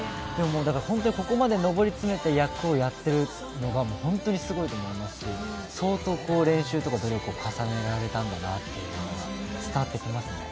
だから、本当にここまで上り詰めて役をやっているのが本当にすごいと思いますし、相当練習とか努力を重ねられたんだなというのが伝わってきますね